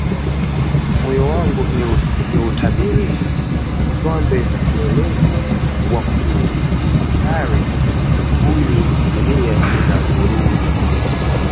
Moyo wangu nini huitabiri? Twambe u mwelevu wa kukhitari, Huyui dunia ina ghururi?